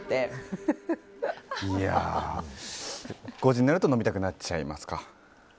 ５時になると飲みたくなっちゃいますか？